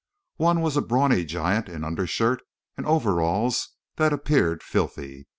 One was a brawny giant in undershirt and overalls that appeared filthy.